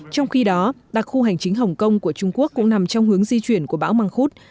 trong khi đó đặc khu hành chính hồng kông của trung quốc cũng nằm trong hướng di chuyển của bão măng khuốt